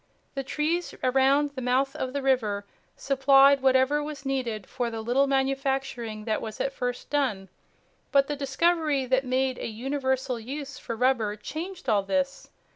The trees around the mouth of the river supplied whatever was needed for the little manufacturing that was at first done. But the discovery that made a universal use for rubber changed all this.